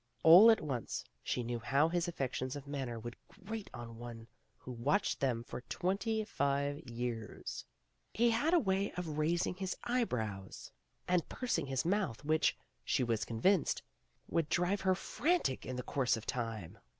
All at once she knew how his affections of manner would grate on one who watched them for twenty five years." He had a way of raising his eye brows and pursing 96 PEGGY RAYMOND'S WAY his mouth which, she was convinced, would drive her frantic in course of time.